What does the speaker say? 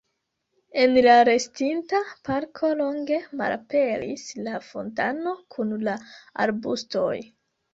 En la restinta parko longe malaperis la fontano kun la arbustoj.